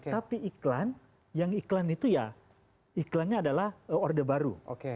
tapi iklan yang iklan itu ya iklannya adalah orde baru